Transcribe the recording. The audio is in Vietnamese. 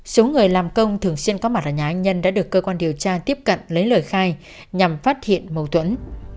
số người làm công thường xuyên có mặt ở nhà anh nhân đã được cơ quan điều tra tiếp cận lấy lời khai nhằm phát hiện mâu thuẫn